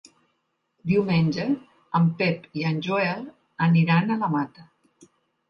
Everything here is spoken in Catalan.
Diumenge en Pep i en Joel aniran a la Mata.